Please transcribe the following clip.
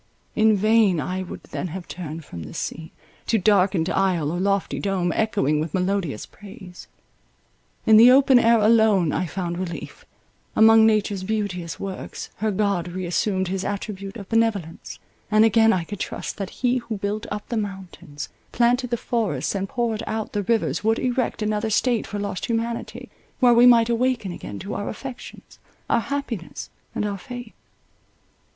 In vain I would then have turned from this scene, to darkened aisle or lofty dome, echoing with melodious praise. In the open air alone I found relief; among nature's beauteous works, her God reassumed his attribute of benevolence, and again I could trust that he who built up the mountains, planted the forests, and poured out the rivers, would erect another state for lost humanity, where we might awaken again to our affections, our happiness, and our faith.